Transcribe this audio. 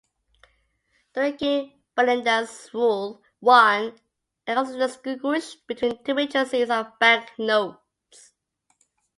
During King Birendra's rule one can also distinguish between two major series of banknotes.